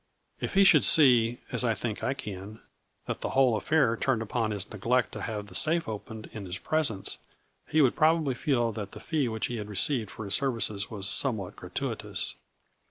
If he should see, as I think I can, that the whole affair turned upon his neglect to have the safe opened in his presence, he would probably feel that the fee which he received for his services was somewhat gratuitous.